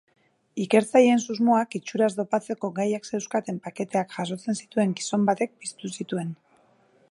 Ikertzaileen susmoak itxuraz dopatzeko gaiak zeuzkaten paketeak jasotzen zituen gizon batek piztu zituen.